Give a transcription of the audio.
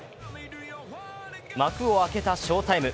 幕を開けた翔タイム。